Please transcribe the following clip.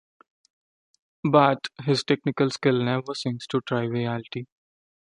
But his technical skill never sinks to triviality.